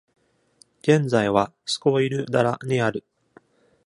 現在は、スコイル・ダラにある。